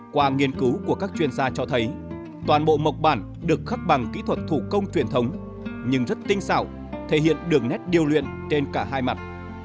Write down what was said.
qua nghiên cứu của các chuyên gia cho thấy toàn bộ mộc bản được khắc bằng kỹ thuật thủ công truyền thống nhưng rất tinh xảo thể hiện đường nét điêu luyện trên cả hai mặt